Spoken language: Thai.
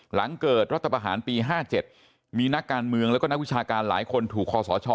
หลังเกิดรัฐประหารปี๕๗มีนักการเมืองแล้วก็นักวิชาการหลายคนถูกคอสช